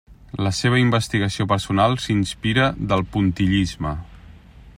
La seva investigació personal s'inspira del puntillisme.